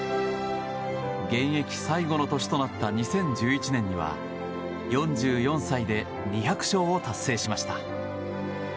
現役最後の年となった２０１１年には４４歳で２００勝を達成しました。